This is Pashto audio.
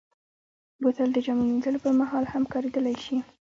بوتل د جامو مینځلو پر مهال هم کارېدلی شي.